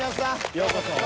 ようこそ。